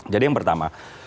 jadi yang pertama